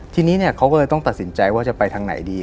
ทีนี้เขาก็เลยต้องตัดสินใจว่าจะไปทางไหนดี